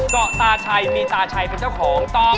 เกาะตาชัยมีตาชัยเป็นเจ้าของต้อง